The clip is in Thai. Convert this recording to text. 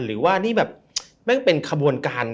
หรือว่านี่แบบแม่งเป็นขบวนการ